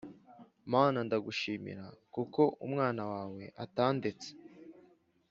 mana ndagushimira kuko umwana wawe atandetse